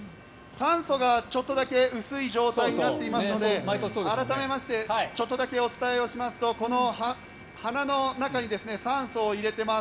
酸素が薄い状態になっていますので改めましてちょっとだけお伝えしますとこの鼻の中に酸素を入れてます。